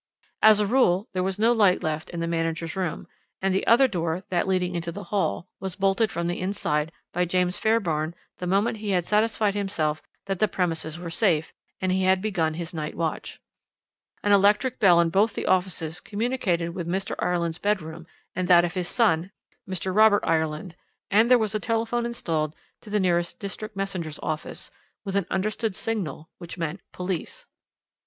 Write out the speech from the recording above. As a rule there was no light left in the manager's room, and the other door that leading into the hall was bolted from the inside by James Fairbairn the moment he had satisfied himself that the premises were safe, and he had begun his night watch. An electric bell in both the offices communicated with Mr. Ireland's bedroom and that of his son, Mr. Robert Ireland, and there was a telephone installed to the nearest district messengers' office, with an understood signal which meant 'Police.'